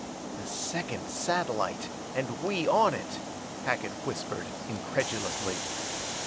"The second satellite, and we on it!" Hackett whispered, incredulously.